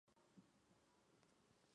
Hye Sung se enfoca más en las baladas.